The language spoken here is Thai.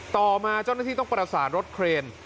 ต่อมาเจ้าหน้าที่ต้องประสานรถเครน